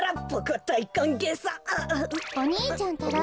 お兄ちゃんたら！